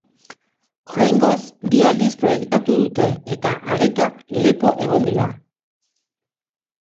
Oraingoz bi aldiz proiektatu dute, eta aretoak lepo egon dira.